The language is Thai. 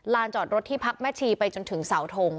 จอดรถที่พักแม่ชีไปจนถึงเสาทง